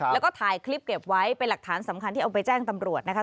แล้วก็ถ่ายคลิปเก็บไว้เป็นหลักฐานสำคัญที่เอาไปแจ้งตำรวจนะคะ